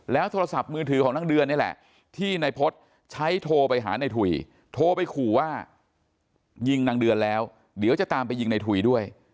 โทรศัพท์มือถือของนางเดือนนี่แหละที่นายพฤษใช้โทรไปหาในถุยโทรไปขู่ว่ายิงนางเดือนแล้วเดี๋ยวจะตามไปยิงในถุยด้วย